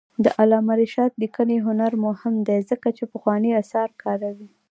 د علامه رشاد لیکنی هنر مهم دی ځکه چې پخواني آثار کاروي.